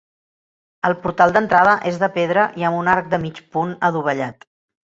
El portal d'entrada és de pedra i amb un arc de mig punt adovellat.